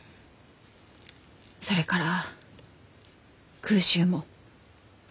それから空襲も。